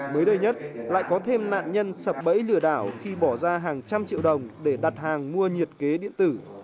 mới đây nhất lại có thêm nạn nhân sập bẫy lừa đảo khi bỏ ra hàng trăm triệu đồng để đặt hàng mua nhiệt kế điện tử